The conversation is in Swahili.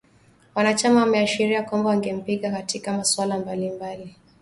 Wanachama wameashiria kwamba wangempinga katika masuala mbali mbali